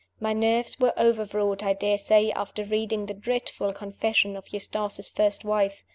My nerves were overwrought, I dare says after reading the dreadful confession of Eustace's first wife.